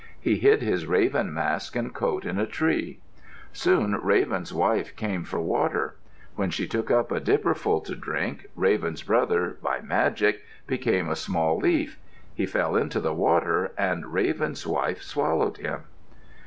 He hid his raven mask and coat in a tree. Soon Raven's wife came for water. When she took up a dipperful to drink, Raven's brother, by magic, became a small leaf. He fell into the water and Raven's wife swallowed him.